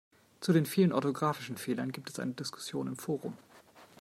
Zu den vielen orthografischen Fehlern gibt es eine Diskussion im Forum.